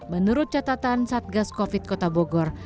menurut catatan satgas covid kota bogor